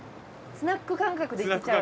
スナック感覚でいけちゃう？